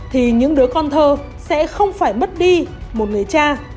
thì những đứa con thơ sẽ không phải mất đi một người cha